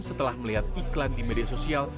setelah melihat iklan di media sosial